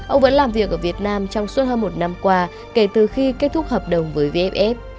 ông vẫn làm việc ở việt nam trong suốt hơn một năm qua kể từ khi kết thúc hợp đồng với vff